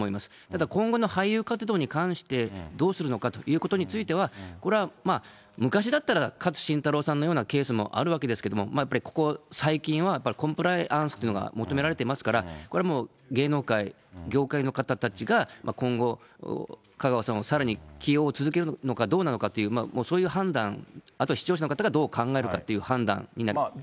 ただ、今後の俳優活動に関してどうするのかということについては、これは昔だったら、勝新太郎さんのようなケースもあるわけですけれども、やっぱりここ最近は、やっぱりコンプライアンスというのが求められていますから、これはもう芸能界、業界の方たちが、今後、香川さんをさらに起用を続けるのかどうなのかという、そういう判断、あと視聴者の方がどう考えるかっていう判断になりますね。